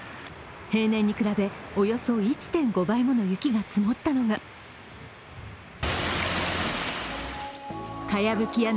平年に比べ、およそ１．５倍もの雪が積もったのがかやぶき